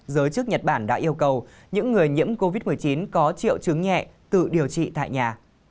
giới chức nhật bản đã yêu cầu những người nhiễm covid một mươi chín có triệu chứng nhẹ tự điều trị tại nhà